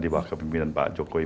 di bawah kepemimpinan pak jokowi